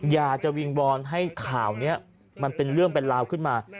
อยากจะวิงวอนให้ข่าวนี้มันเป็นเรื่องเป็นราวขึ้นมา